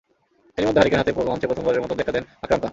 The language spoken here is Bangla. এরই মধ্যে হারিকেন হাতে মঞ্চে প্রথমবারের মতো দেখা দেন আকরাম খান।